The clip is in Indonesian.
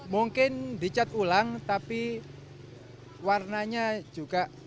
mungkin dicat ulang tapi warnanya juga